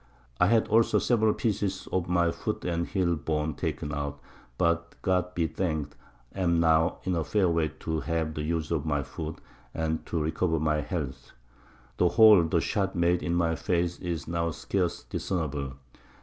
I had also several Pieces of my Foot and Heel bone taken out, but God be thanked, am now in a fair way to have the Use of my Foot, and to recover my Health. The Hole the Shot made in my Face is now scarce discernable.